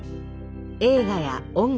映画や音楽。